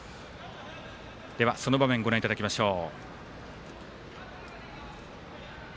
では、その場面ご覧いただきましょう。